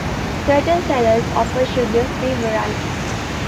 Certain sellers offer sugar-free varieties.